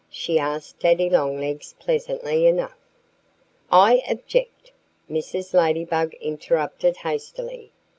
she asked Daddy Longlegs pleasantly enough. "I object!" Mrs. Ladybug interrupted hastily.